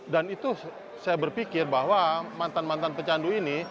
dan itu saya berpikir bahwa mantan mantan pecandu ini